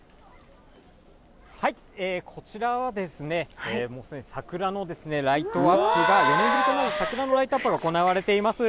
こちらはもうすでに桜のライトアップが、４年ぶりとなる桜のライトアップが行われています。